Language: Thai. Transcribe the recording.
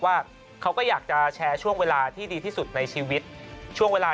ว่าเขาก็อยากจะแชร์ช่วงเวลาที่ดีที่สุดในชีวิตช่วงเวลา